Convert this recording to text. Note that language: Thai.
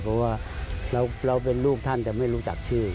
เพราะว่าเราเป็นลูกท่านจะไม่รู้จักชื่อ